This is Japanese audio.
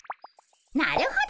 なるほど。